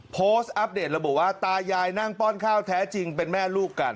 อัปเดตระบุว่าตายายนั่งป้อนข้าวแท้จริงเป็นแม่ลูกกัน